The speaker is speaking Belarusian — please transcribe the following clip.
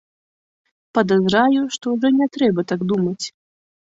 Падазраю, што ўжо і не трэба так думаць.